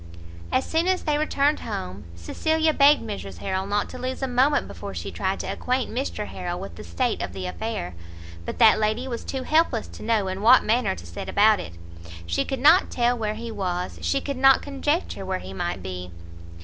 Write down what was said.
As soon as they returned home, Cecilia begged Mrs Harrel not to lose a moment before she tried to acquaint Mr Harrel with the state of the affair. But that lady was too helpless to know in what manner to set about it; she could not tell where he was, she could not conjecture where he might be.